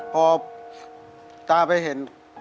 พอตาไปเห็น